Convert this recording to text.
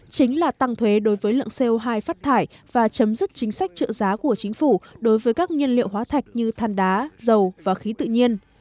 chính là tăng thuế đối với lượng co hai phát thải và chấm dứt chính sách trợ giá của chính phủ đối với các nhiên liệu hóa thạch như than đá dầu và khí tự nhiên